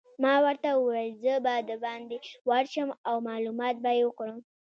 ما ورته وویل: زه به دباندې ورشم او معلومات به يې وکړم.